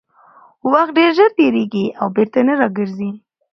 وخت ډېر ژر تېرېږي او بېرته نه راګرځي